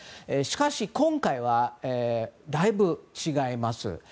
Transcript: しかし、今回はだいぶ違います。